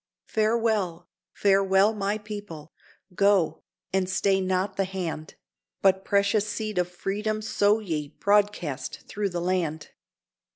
Farewell, farewell, my people! go, and stay not the hand, But precious seed of Freedom sow ye broadcast through the land.